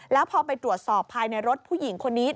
แล้วพอไปตรวจสอบภายในรถผู้หญิงคนนี้